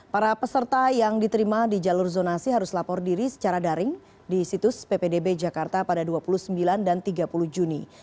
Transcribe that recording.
para peserta yang diterima di jalur zonasi harus lapor diri secara daring di situs ppdb jakarta pada dua puluh sembilan dan tiga puluh juni